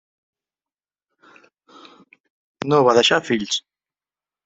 No va deixar fills.